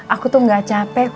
aku tuh gak capek